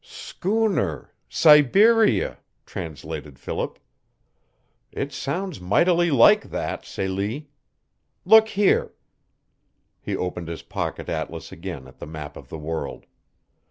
"Schooner Siberia," translated Philip. "It sounds mightily like that, Celie. Look here " He opened his pocket atlas again at the map of the world.